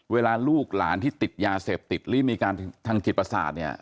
เวลาลูกหลานที่ติดยาเสพติดหรือมีการทางจิตประสาทเนี่ย